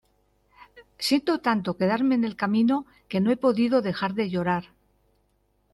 siento tanto quedarme en el camino, que no he podido dejar de llorar